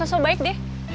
gak usah so baik deh